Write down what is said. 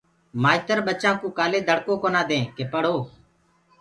مآئيتر ٻچآن ڪو ڪآلي دڙڪو ڪونآ دين ڪي پڙهو